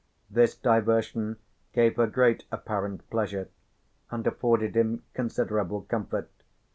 This diversion gave her great apparent pleasure and afforded him considerable comfort.